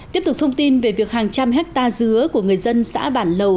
tiếp tục thông tin về việc hàng trăm hectare dứa của người dân xã bản lầu